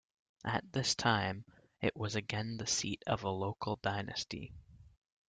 At this time, it was again the seat of a local dynasty.